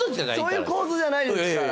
そういう構図じゃないですから。